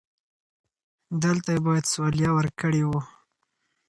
دلته يې بايد سواليه ورکړې و.